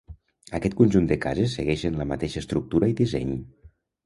Aquest conjunt de cases segueixen la mateixa estructura i disseny.